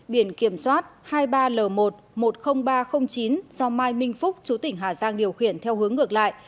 biển kiểm soát hai mươi ba l một một mươi nghìn ba trăm linh chín do mai minh phúc chú tỉnh hà giang điều khiển theo hướng ngược lại